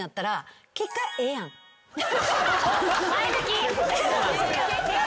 前向き。